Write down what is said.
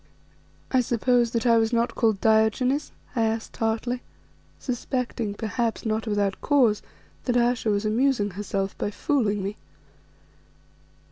"I suppose that I was not called Diogenes?" I asked tartly, suspecting, perhaps not without cause, that Ayesha was amusing herself by fooling me.